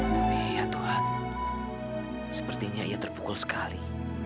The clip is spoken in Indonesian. tapi ya tuhan sepertinya ia terpukul sekali